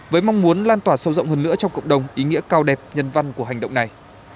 với mong muốn lan tỏa sâu rộng hơn nữa trong cộng đồng ý nghĩa cao đẹp nhân văn của hành động này